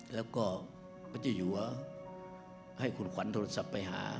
แล้วก็พระเจ้าอยู่หัวให้คุณขวัญโทรศัพท์ไปหา